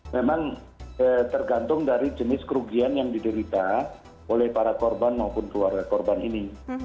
memang tergantung dari jenis kerugian yang diderita oleh para korban maupun keluarga korban ini